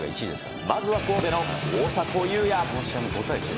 まずは神戸の大迫勇也。